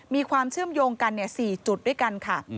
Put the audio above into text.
มีความเชื่อมโยงกัน๔จุดด้วยกันค่ะ